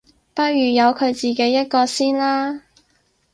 不如由佢自己一個先啦